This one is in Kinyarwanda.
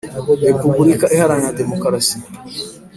Repubulika iharanira demokarasi